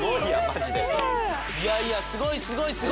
すごい！